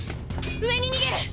上に逃げる！